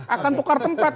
akan tukar tempat